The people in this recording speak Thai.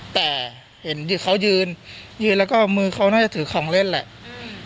แต่เห็นที่เขายืนยืนแล้วก็มือเขาน่าจะถือของเล่นแหละอืม